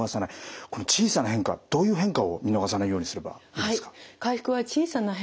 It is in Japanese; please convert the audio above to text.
この小さな変化どういう変化を見逃さないようにすればいいですか。